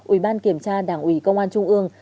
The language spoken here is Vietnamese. ủy ban kiểm tra đảng ủy công an trung ương